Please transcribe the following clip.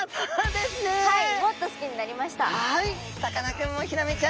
もっと好きになりました。